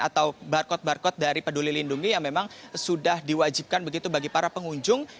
atau barcode barcode dari peduli lindungi yang memang sudah diwajibkan begitu bagi para pengunjung